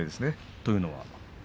というのは？